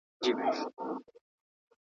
آیا ته په خپله خوښه ازاد یې که غلام یې؟